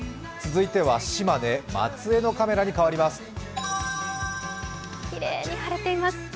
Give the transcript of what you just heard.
続いては島根・松江のカメラに変わります。